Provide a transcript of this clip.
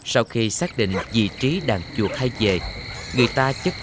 sau khi xác định vị trí đàn chuột hay về người ta chất đóng trà lại bằng một chút mềm bằng hương hoa